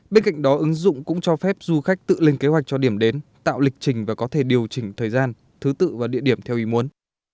bên cạnh đó ứng dụng cũng cho phép du khách tự lên kế hoạch cho điểm đến tạo lịch trình và có thể điều chỉnh thời gian thứ tự và địa điểm theo ý muốn